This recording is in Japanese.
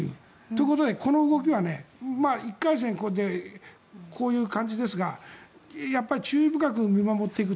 ということでこの動きは１回戦、こういう感じですがやっぱり注意深く見守っていく。